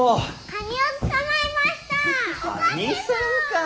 カニさんか。